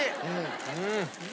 うん。